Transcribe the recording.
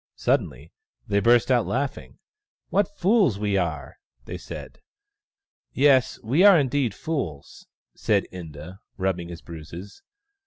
Suddenly they burst out laughing. " What fools we are !" they said. " Yes, we are indeed fools," said Inda, rubbing his bruises.